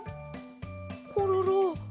コロロ。